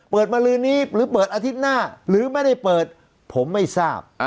มาลืนนี้หรือเปิดอาทิตย์หน้าหรือไม่ได้เปิดผมไม่ทราบ